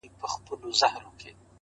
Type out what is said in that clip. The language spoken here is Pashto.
• هره څپه یې ورانوي د بګړۍ ولونه,,!